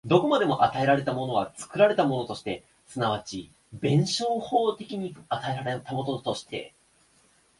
どこまでも与えられたものは作られたものとして、即ち弁証法的に与えられたものとして、